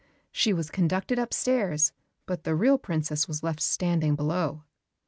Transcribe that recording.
She was conducted upstairs, but the real princess was left standing below.